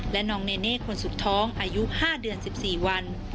และน้องเนเน่คนสุดท้องอายุ๕เดือน๑๔วัน